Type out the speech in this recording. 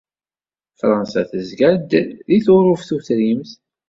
Fransa tezga-d deg Turuft tutrimt.